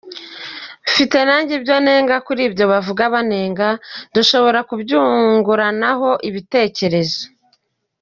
Mfite nanjye ibyo nenga kuri ibyo bavuga banenga, dushobora kubyunguranaho ibitekerezo.